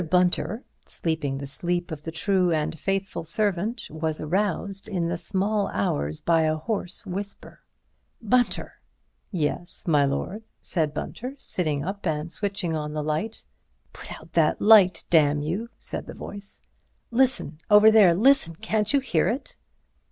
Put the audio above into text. Bunter, sleeping the sleep of the true and faithful servant, was aroused in the small hours by a hoarse whisper, "Bunter!" "Yes, my lord," said Bunter, sitting up and switching on the light. "Put that light out, damn you!" said the voice. "Listen—over there—listen—can't you hear it?"